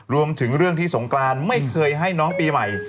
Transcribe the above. รวมถึงเรื่องที่สงกรานไม่เคยให้น้องปีใหม่